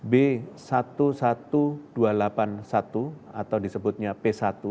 b satu satu dua delapan satu atau disebutnya p satu satu satu